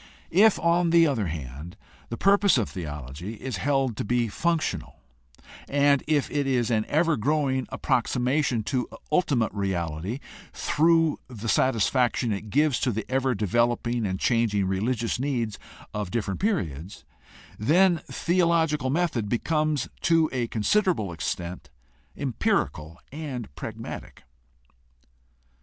If, on the other hand, the purpose of theology is held to be functional and if it is an ever growing approximation to ultimate reality through the satisfaction it gives to the ever developing and changing reli gious needs of different periods, then theological method becomes to a considerable extent empirical and pragmatic.